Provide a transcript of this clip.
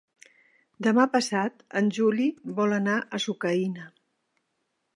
Demà passat en Juli vol anar a Sucaina.